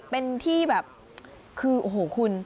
เป็นที่แบบคือโอ้โหคุณ